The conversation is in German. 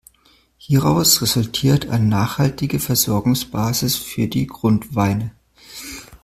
Hieraus resultiert eine nachhaltige Versorgungsbasis für die Grundweine.